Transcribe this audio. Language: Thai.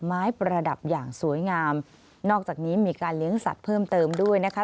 ประดับอย่างสวยงามนอกจากนี้มีการเลี้ยงสัตว์เพิ่มเติมด้วยนะคะ